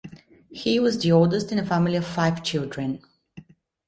He was the oldest in a family of five children.